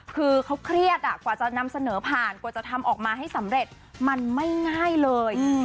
คือเขาเครียดกว่าจะนำเสนอผ่านกว่าจะทำออกมาให้สำเร็จมันไม่ง่ายเลย